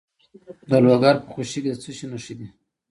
د لوګر په خوشي کې د څه شي نښې دي؟